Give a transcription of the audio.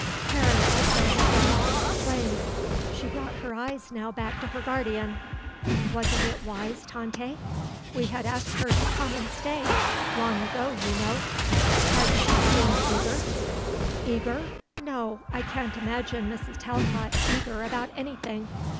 Karen, also, had been looking at the flames. She brought her eyes now back to her guardian. "Wasn't it wise, Tante? We had asked her to come and stay long ago, you know." "Had she seemed eager?" "Eager? No; I can't imagine Mrs. Talcott eager about anything.